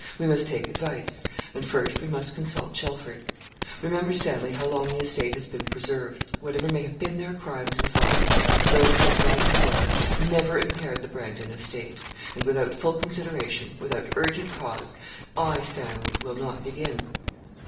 We must take advice; and first, we must consult Chelford. Remember, Stanley, how long the estate has been preserved. Whatever may have been their crimes and follies, those who have gone before us never impaired the Brandon estate; and, without full consideration, without urgent cause, I, Stanley, will not begin.'